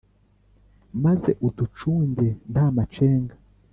maze uducunge nta macenga